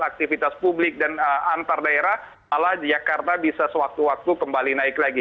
aktivitas publik dan antar daerah malah jakarta bisa sewaktu waktu kembali naik lagi